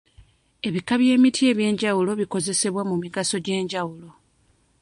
Ebika by'emiti eby'enjawulo bikozesebwa mu migaso egy'enjawulo.